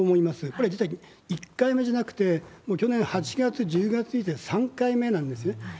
これ、実は１回目じゃなくて、もう去年８月、１０月に続いて３回目なんですね。